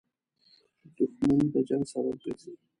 • دښمني د جنګ سبب ګرځي.